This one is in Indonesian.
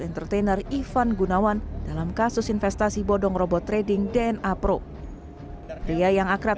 entertainer ivan gunawan dalam kasus investasi bodong robot trading dna pro pria yang akrab